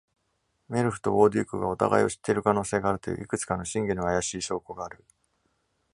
メルフとウォーデュークがお互いを知っている可能性があるという、いくつかの真偽の怪しい証拠がある。